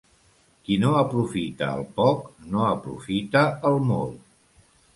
Qui no aprofita el poc, no aprofita el molt.